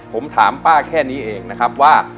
ผมถามป้าแค่นี้เองนะครับว่า